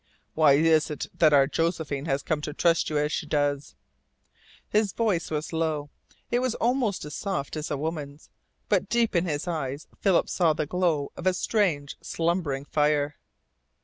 Why is it that our Josephine has come to trust you as she does?" His voice was low it was almost soft as a woman's, but deep in his eyes Philip saw the glow of a strange, slumbering fire.